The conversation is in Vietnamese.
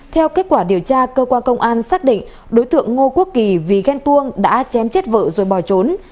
theo kết quả điều tra cơ quan công an xác định đối tượng ngô quốc kỳ vì ghen tuông đã chém chết vợ rồi bỏ trốn